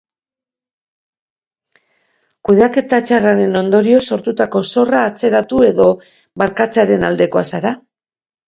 Kudeaketa txarraren ondorioz sortutako zorra atzeratu edo barkatzearen aldekoa zara?